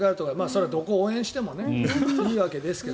それはどこを応援してもいいかと。